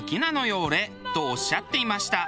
俺」とおっしゃっていました。